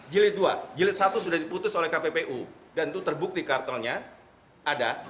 jilid dua jilid satu sudah diputus oleh kppu dan itu terbukti kartelnya ada